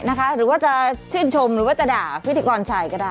หรือว่าจะชื่นชมหรือว่าจะด่าพิธีกรชายก็ได้